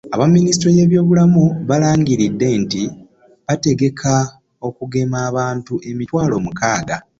Aba minisitule y'ebyobulamu balangiridde nti bategeka okugema abantu emitwalo mukaaga